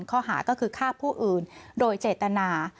ข้อหาก็คือฆ่าผู้อื่นโดยเจตนา